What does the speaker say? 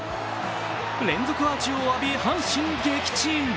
連続アーチを浴び阪神撃沈。